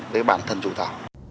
với bản thân chủ tỏ